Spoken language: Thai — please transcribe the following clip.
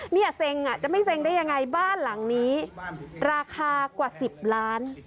เนี่ยเซ็งอ่ะจะไม่เซ็งได้ยังไงบ้านหลังนี้ราคากว่า๑๐ล้าน